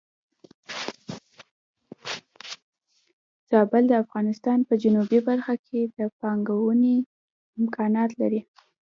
زابل د افغانستان په جنوبی برخه کې د پانګونې امکانات لري.